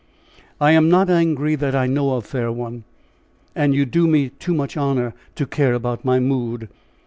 "I am not angry that I know of, fair one; and you do me too much honor to care about my mood.